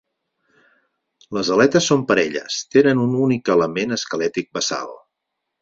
Les aletes són parelles; tenen un únic element esquelètic basal.